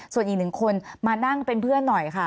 ส่วนอีกหนึ่งคนมานั่งเป็นเพื่อนหน่อยค่ะ